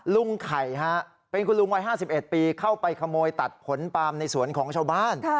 ลุงไข่ฮะเป็นคุณลุงวัย๕๑ปีเข้าไปขโมยตัดผลปาล์มในสวนของชาวบ้าน